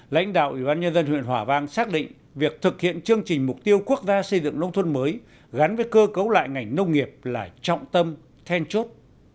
lãnh đạo ủy ban nhân dân huyện hòa vang xác định việc thực hiện chương trình mục tiêu quốc gia xây dựng nông thôn mới gắn với cơ cấu lại ngành nông nghiệp là trọng tâm then chốt